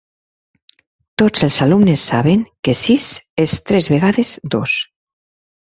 Tots els alumnes saben que sis és tres vegades dos